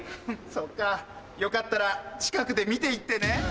そっかよかったら近くで見て行ってね。